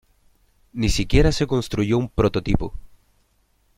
Ni siquiera se construyó un prototipo.